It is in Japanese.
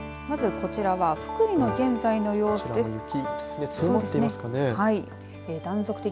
まずこちらは福井の現在の様子です。